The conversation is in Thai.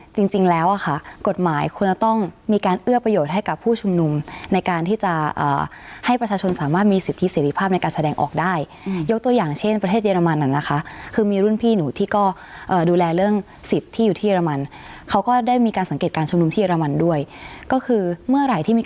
จริงแล้วอ่ะค่ะกฎหมายควรจะต้องมีการเอื้อประโยชน์ให้กับผู้ชุมนุมในการที่จะให้ประชาชนสามารถมีสิทธิเสรีภาพในการแสดงออกได้ยกตัวอย่างเช่นประเทศเยอรมันน่ะนะคะคือมีรุ่นพี่หนูที่ก็ดูแลเรื่องสิทธิ์ที่อยู่ที่เรมันเขาก็ได้มีการสังเกตการชุมนุมที่เรมันด้วยก็คือเมื่อไหร่ที่มี